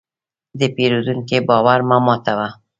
د پیرودونکي باور مه ماتوه.